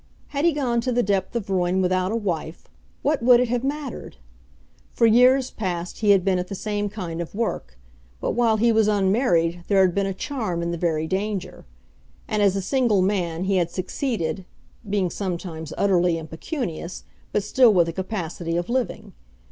Had he gone to the depth of ruin without a wife, what would it have mattered? For years past he had been at the same kind of work, but while he was unmarried there had been a charm in the very danger. And as a single man he had succeeded, being sometimes utterly impecunious, but still with a capacity of living.